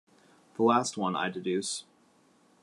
The last one, I deduce.